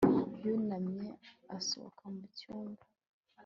yunamye asohoka mu cyumba